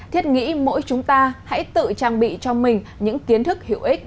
thiết nghĩ mỗi chúng ta hãy tự trang bị cho mình những kiến thức hữu ích